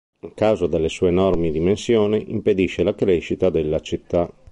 A causa delle sue enormi dimensioni, impedisce la crescita della città.